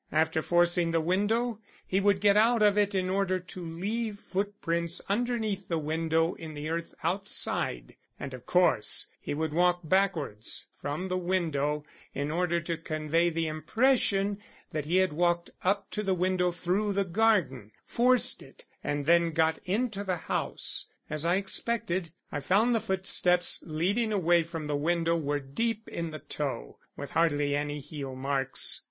"After forcing the window he would get out of it in order to leave footprints underneath the window in the earth outside, and of course he would walk backwards from the window, in order to convey the impression that he had walked up to the window through the garden, forced it and then got into the house. As I expected, I found the footsteps leading away from the window were deep in the toe, with hardly any heel marks.